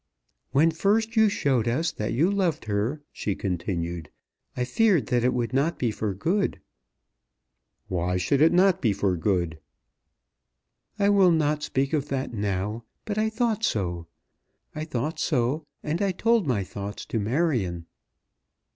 "When first you showed us that you loved her," she continued, "I feared that it would not be for good." "Why should it not be for good?" "I will not speak of that now, but I thought so. I thought so, and I told my thoughts to Marion."